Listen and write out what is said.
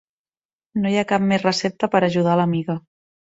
No hi ha cap més recepta per ajudar l'amiga.